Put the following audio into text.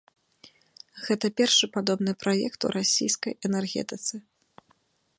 Гэта першы падобны праект у расійскай энергетыцы.